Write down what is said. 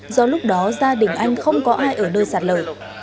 do lúc đó gia đình anh không có ai ở nơi sạt lở